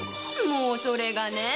もうそれがね。